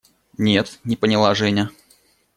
– Нет, – не поняла Женя.